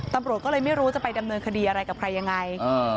ตำรวจก็เลยไม่รู้จะไปดำเนินคดีอะไรกับใครยังไง